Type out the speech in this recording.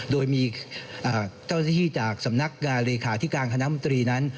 โดยมีเจ้าหน้าที่จากสำนักงานเลขาธิการคณะมนตรีนั้น